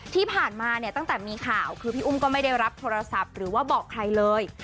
ที่ผ่านมาเนี่ยตั้งแต่มีข่าวคือพี่อุ้มก็ไม่ได้รับโทรศัพท์หรือว่าบอกใครเลย